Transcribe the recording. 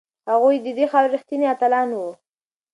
هغوی د دې خاورې ریښتیني اتلان وو.